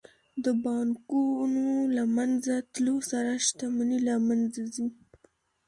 د بانکونو له منځه تلو سره شتمني له منځه ځي